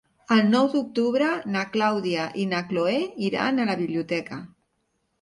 El nou d'octubre na Clàudia i na Cloè iran a la biblioteca.